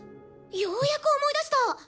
ようやく思い出した！